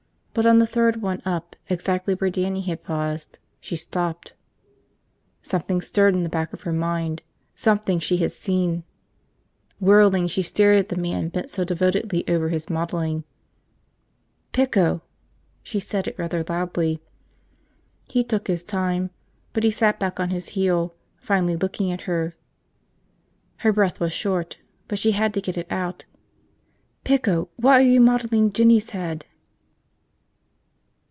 But on the third one up, exactly where Dannie had paused, she stopped. Something stirred in the back of her mind – something she had seen. .... Whirling, she stared at the man bent so devotedly over his modeling. "Pico!" She said it rather loudly. He took his time, but he sat back on his heel, finally looking at her. Her breath was short, but she had to get it out. "Pico, why are you modeling Jinny's head?"